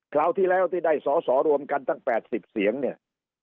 คราวที่แล้วที่ได้สอสอรวมกันตั้ง๘๐เสียงเนี่ย